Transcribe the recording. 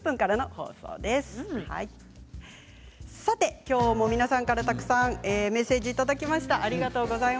きょうも皆さんからたくさんメッセージをいただきました。